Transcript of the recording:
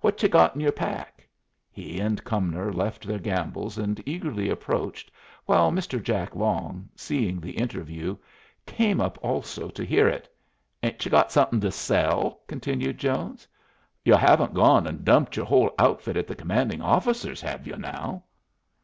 "What y'u got in your pack?" He and Cumnor left their gambols and eagerly approached, while Mr. Jack Long, seeing the interview, came up also to hear it. "'Ain't y'u got something to sell?" continued Jones. "Y'u haven't gone and dumped yer whole outfit at the commanding officer's, have y'u now?"